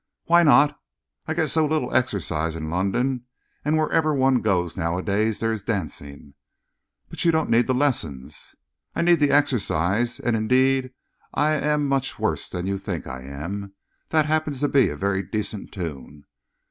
"Why not? I get so little exercise in London, and wherever one goes, nowadays, there is dancing." "But you don't need the lessons." "I need the exercise, and indeed I am much worse than you think I am. That happened to be a very decent tune."